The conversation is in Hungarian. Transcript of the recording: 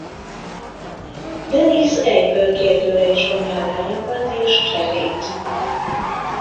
Denise egyből kérdőre is vonja a lányokat és Jerryt.